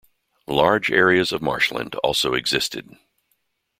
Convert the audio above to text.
Large areas of marshland also existed.